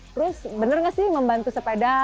terus bener gak sih membantu sepeda